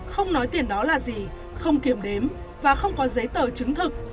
không nói tiền đó là gì không kiểm đếm và không có giấy tờ chứng thực